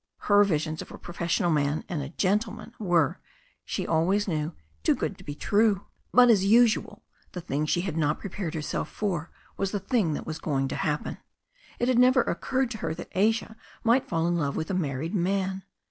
Her visions of a profes sional man and a "gentleman" were, she always knew, too good to be true. But, as usual, the thing she had not prepared herself for was the thing that was going to happen. It had never oc curred to her that Asia might fall in love with a married man.